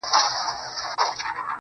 o هغه خو دا خبري پټي ساتي.